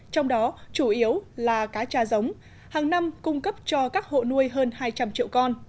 trong đó chủ yếu là cá trà giống hàng năm cung cấp cho các hộ nuôi hơn hai trăm linh triệu con